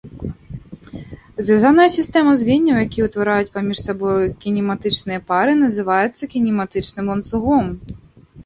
Звязаная сістэма звенняў, якія ўтвараюць паміж сабою кінематычныя пары, называецца кінематычным ланцугом.